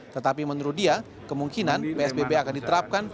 tetapi menurut dia kemungkinan psbb akan diterapkan